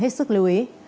hãy hết sức lưu ý